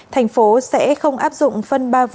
thành phố sẽ không áp dụng phân ba vụ